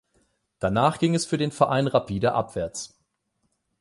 Danach ging es für den Verein rapide abwärts.